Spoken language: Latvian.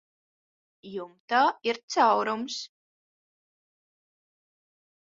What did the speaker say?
Jumtā ir caurums.